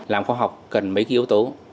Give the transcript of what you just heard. làm khoa học cần mấy cái yếu tố